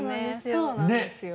そうなんですよ。